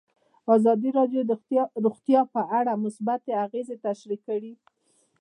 ازادي راډیو د روغتیا په اړه مثبت اغېزې تشریح کړي.